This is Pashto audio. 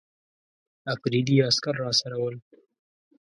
افریدي عسکر راسره ول.